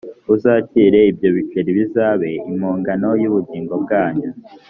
uzakire ibyo biceri bizabe impongano y’ubugingo bwanyu